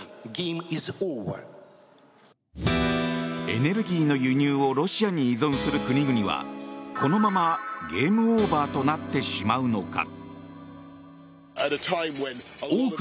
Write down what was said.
エネルギーの輸入をロシアに依存する国々はこのままゲーム・オーバーとなってしまうのか。